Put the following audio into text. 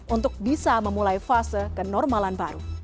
untuk bisa memulai fase kenormalan baru